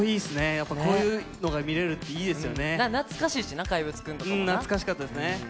やっぱこういうのが見れるってい懐かしいしな、怪物くんとか懐かしかったですね。